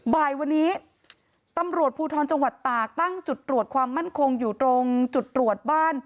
บ่ายวันนี้ตำรวจภูทรจังหวัดตากตั้งจุดตรวจความมั่นคงอยู่ตรงจุดตรวจบ้าน